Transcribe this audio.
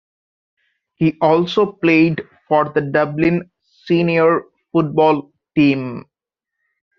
He also played for the Dublin Senior football team.